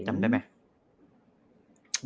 จำได้ไหม